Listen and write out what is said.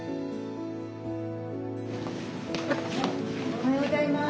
おはようございます。